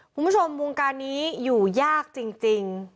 คุณผู้ชมวงการนี้อยู่ยากจริง